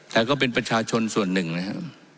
แต่ก็เป็นประชาชนส่วนหนึ่งนะครับ